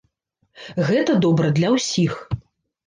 Гэта добра для ўсіх.